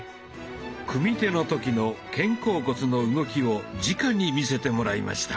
組み手の時の肩甲骨の動きをじかに見せてもらいました。